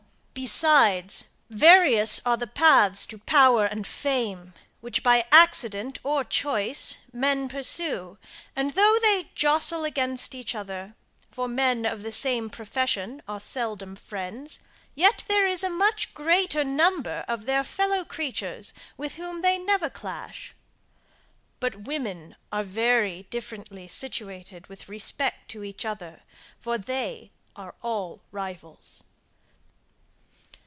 Besides, various are the paths to power and fame, which by accident or choice men pursue, and though they jostle against each other, for men of the same profession are seldom friends, yet there is a much greater number of their fellow creatures with whom they never clash. But women are very differently situated with respect to each other for they are all rivals.